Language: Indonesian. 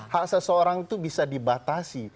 hak seseorang itu bisa dibatasi